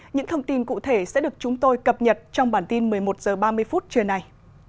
những thông tin cụ thể sẽ được chúng tôi cập nhật trong bản tin một mươi một h ba mươi phút trưa nay